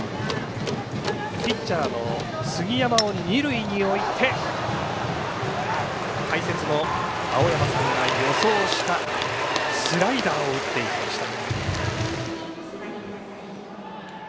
ピッチャーの杉山を二塁に置いて解説の青山さんが予想したスライダーを打っていきました。